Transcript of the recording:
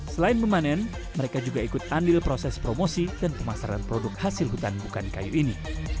selain memanen mereka juga ikut andil proses promosi dan pemasaran produk hasil hutan bukan kayu ini